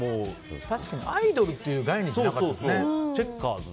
確かにアイドルっていう概念じゃなかったですね。